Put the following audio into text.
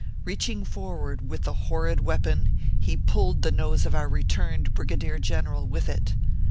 Reaching forward with the horrid weapon, he pulled the nose of our returned Brigadier General with it.